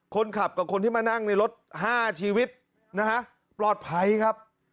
คนขับกับคนที่มานั่งในรถ๕ชีวิตนะฮะปลอดภัยครับ